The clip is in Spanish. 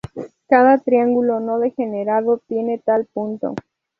Cada triángulo no degenerado tiene tal punto.